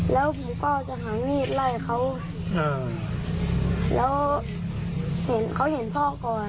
แล้วผมก็จะหามีดไหล่เขา